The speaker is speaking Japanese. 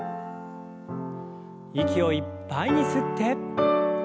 息をいっぱいに吸って。